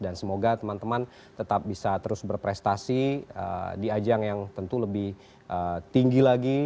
dan semoga teman teman tetap bisa terus berprestasi di ajang yang tentu lebih tinggi lagi